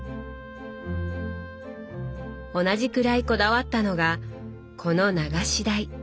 同じくらいこだわったのがこの流し台。